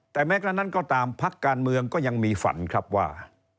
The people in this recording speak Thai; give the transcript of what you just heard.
แต่แม้กระนั้นก็ตามพักการเมืองก็ยังมีฝันครับว่า